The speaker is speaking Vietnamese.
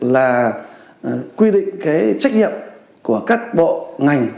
là quy định trách nhiệm của các bộ ngành